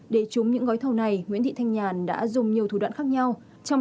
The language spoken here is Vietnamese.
để trúng những gói thầu này nguyễn thị thanh nhàn đã dùng nhiều thủ đoạn khác nhau